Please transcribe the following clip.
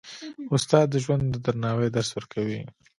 استاد د ژوند د درناوي درس ورکوي.